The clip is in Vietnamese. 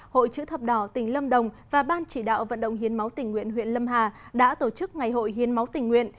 hội chữ thập đỏ tỉnh lâm đồng và ban chỉ đạo vận động hiến máu tỉnh nguyện huyện lâm hà đã tổ chức ngày hội hiến máu tỉnh nguyện